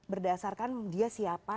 berdasarkan dia siapa